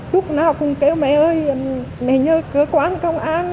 lúc nào cũng kêu mẹ ơi mẹ nhớ cơ quan công an